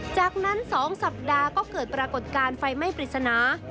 จากนั้น๒สัปดาห์ก็เกิดปรากฏการณ์ไฟไหม้ปริศนา